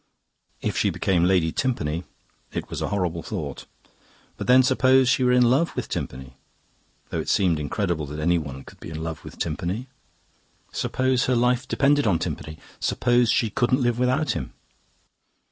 If she became Lady Timpany: it was a horrible thought. But then suppose she were in love with Timpany though it seemed incredible that anyone could be in love with Timpany suppose her life depended on Timpany, suppose she couldn't live without him?